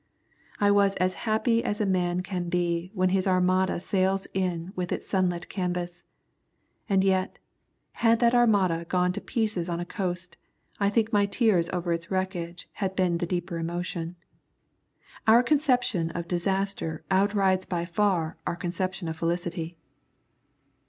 I was as happy as a man can be when his Armada sails in with its sunlit canvas; and yet, had that Armada gone to pieces on a coast, I think my tears over its wreckage had been the deeper emotion. Our conception of disaster outrides by far our conception of felicity.